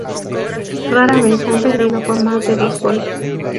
Rara vez han perdido por más de dos goles.